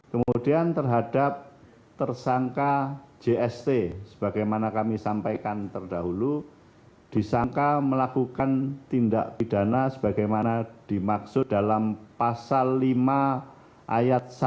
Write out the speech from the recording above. kemudian terhadap tersangka jst sebagaimana kami sampaikan terdahulu disangka melakukan tindak pidana sebagaimana dimaksud dalam perjalanan